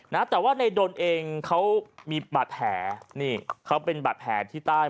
นะฮะแต่ว่าในโดนเองเขามีบัตรแผ่นี่เขาเป็นบัตรแผ่ที่ใต้